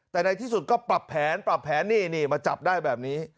แต่ในที่สุดก็ปรับแผนปรับแผนนี่นี่มาจับได้แบบนี้